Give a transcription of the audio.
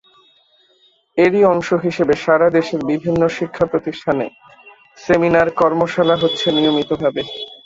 এরই অংশ হিসেবে সারা দেশের বিভিন্ন শিক্ষাপ্রতিষ্ঠানে সেমিনার, কর্মশালা হচ্ছে নিয়মিতভাবে।